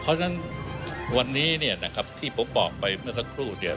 เพราะฉะนั้นวันนี้เนี่ยนะครับที่ผมบอกไปเมื่อสักครู่เนี่ย